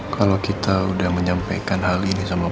kalau kita sudah menyampaikan hal ini sama